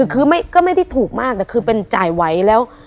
คือก็ไม่ได้ถูกมากแต่คือเป็นจ่ายไว้แล้ว